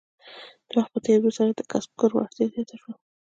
د وخت په تیریدو سره د کسبګرو وړتیا زیاته شوه.